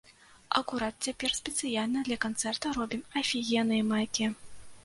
Акурат цяпер спецыяльна да канцэрта робім афігенныя майкі.